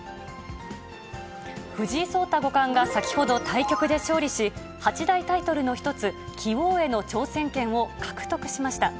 藤井聡太五冠が先ほど、対局で勝利し、８大タイトルの１つ、棋王への挑戦権を獲得しました。